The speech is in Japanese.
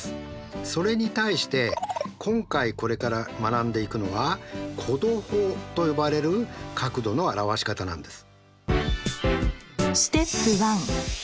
それに対して今回これから学んでいくのは弧度法と呼ばれる角度の表し方なんです。